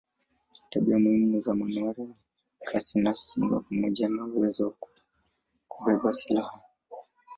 Tabia muhimu za manowari ni kasi na kinga pamoja na uwezo wa kubeba silaha.